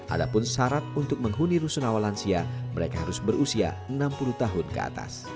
ada pun syarat untuk menghuni rusunawa lansia mereka harus berusia enam puluh tahun ke atas